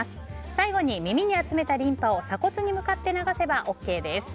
最後に耳に集めたリンパを鎖骨に向かって流せばＯＫです。